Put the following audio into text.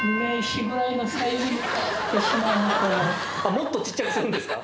もっとちっちゃくするんですか？